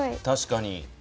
確かに。